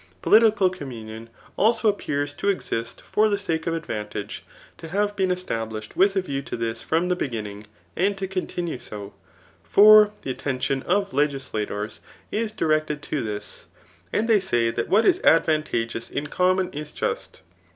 Political communion, also, appears to exist for the sake of advantage, to have been established with a view to this from the beginning, and to continue so. For the attention of legislators is directecf tb this, and they say that what is advantageous in common is just.